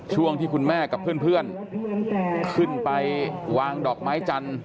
ช่วงที่คุณแม่กับเพื่อนขึ้นไปวางดอกไม้จันทร์